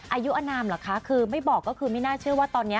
อายุอนามเหรอไม่บอกแค่ไม่เชื่อว่าตอนนี้